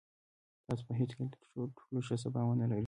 تاسو به هېڅکله تر ټولو ښه سبا ونلرئ.